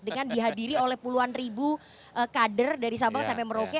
dengan dihadiri oleh puluhan ribu kader dari sabang sampai merauke